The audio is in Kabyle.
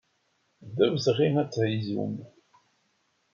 D awezɣi ad tegzum.